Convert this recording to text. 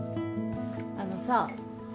あのさ。